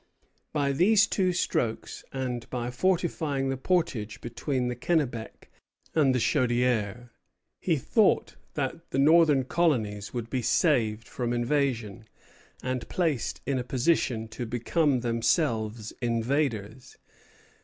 By these two strokes and by fortifying the portage between the Kennebec and the Chaudière, he thought that the northern colonies would be saved from invasion, and placed in a position to become themselves invaders.